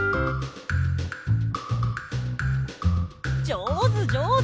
じょうずじょうず！